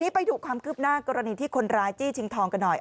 ไปดูความคืบหน้ากรณีที่คนร้ายจี้ชิงทองกันหน่อย